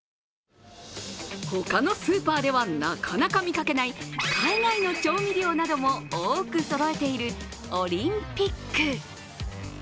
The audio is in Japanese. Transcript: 他のスーパーではなかなか見かけない海外の調味料なども多くそろえているオリンピック。